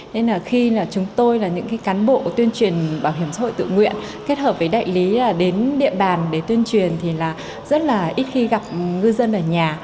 nên là khi chúng tôi là những cán bộ tuyên truyền bảo hiểm xã hội tự nguyện kết hợp với đại lý là đến địa bàn để tuyên truyền thì là rất là ít khi gặp ngư dân ở nhà